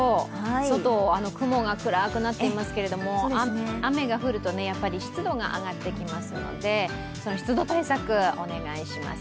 外、雲が暗くなっていますけれども雨が降るとやっぱり湿度が上がってきますのでその湿度対策、お願いします。